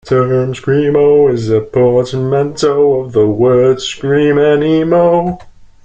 The term screamo is a portmanteau of the words "scream" and "emo.